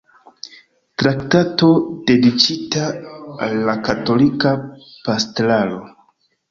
Traktato dediĉita al la katolika pastraro".